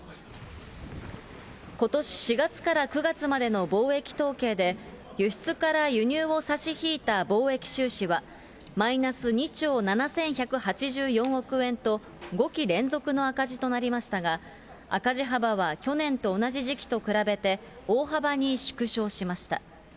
ことし４月から９月までの貿易統計で、輸出から輸入を差し引いた貿易収支は、マイナス２兆７１８４億円と５期連続の赤字となりましたが、赤字幅は去年の同じ時期と比べて、大幅に縮小しました。